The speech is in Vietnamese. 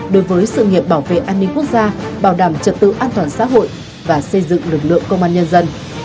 đối với sự nghiệp bảo vệ an ninh quốc gia bảo đảm trật tự an toàn xã hội và xây dựng lực lượng công an nhân dân